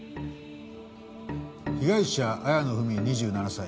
被害者綾野文２７歳。